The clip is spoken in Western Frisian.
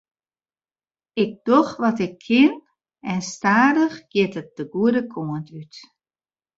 Ik doch wat ik kin en stadich giet it de goede kant út.